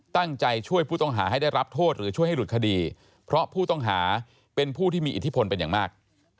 ตั้งใจช่วยผู้ต้องหาให้ได้รับโทษหรือช่วยให้หลุดคดีเพราะผู้ต้องหาเป็นผู้ที่มีอิทธิพลเป็นอย่างมาก